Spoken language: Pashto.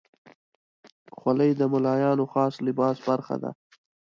خولۍ د ملایانو خاص لباس برخه ده.